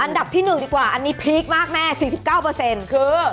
อันดับที่๑ดีกว่าอันนี้พีคมากแม่๔๙คือ